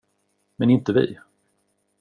Men inte vi.